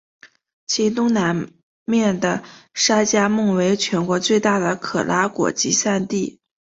其东南面的沙加穆为全国最大的可拉果集散地。